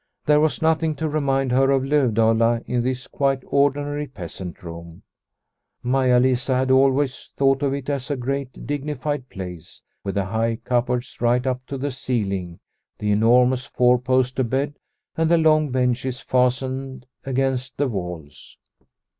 There was nothing to remind her of Lovdala in this quite ordinary peasant room. Maia Lisa had always thought of it as a great digni fied place, with the high cupboards right up to the ceiling, the enormous four poster bed, and the long benches fastened against the walls.